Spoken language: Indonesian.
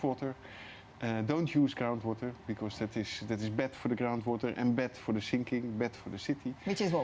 jangan menggunakan air tanah karena itu adalah tempat untuk air tanah tempat untuk penurunan tempat untuk kota